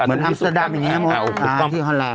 เหมือนท่ามสดัมอย่างนี้ที่ฮอลลาน